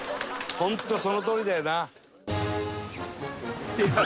ホントそのとおりだよな。